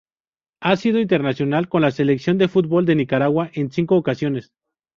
Ha sido internacional con la Selección de fútbol de Nicaragua en cinco ocasiones.